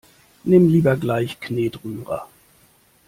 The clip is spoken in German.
Nimm lieber gleich Knetrührer!